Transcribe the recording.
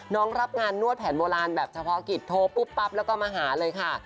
รับงานนวดแผนโบราณแบบเฉพาะกิจโทรปุ๊บปั๊บแล้วก็มาหาเลยค่ะ